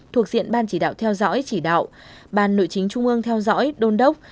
thuộc diện ban chỉ đạo theo dõi chỉ đạo ban nội chính trung ương theo dõi đôn đốc